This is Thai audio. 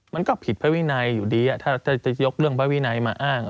มันก็ผิดพระวินัยอยู่ดีถ้าจะยกเรื่องพระวินัยมาอ้าง